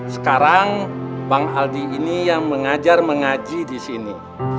sekarang bang aldi ini yang mengajar mengaji disini